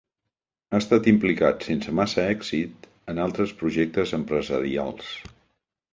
Ha esta implicat sense massa èxit en altres projectes empresarials.